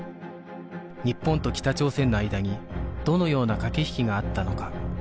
日本と北朝鮮の間にどのような駆け引きがあったのか